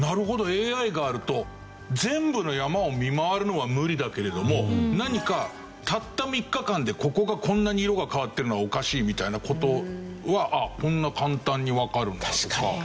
ＡＩがあると全部の山を見回るのは無理だけれども何かたった３日間でここがこんなに色が変わってるのはおかしいみたいな事はこんな簡単にわかるんだとか。